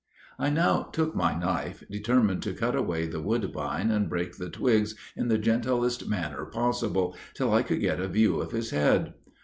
I now took my knife, determined to cut away the woodbine, and break the twigs in the gentlest manner possible, till I could get a view of his head.